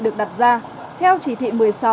được đặt ra theo chỉ thị một mươi sáu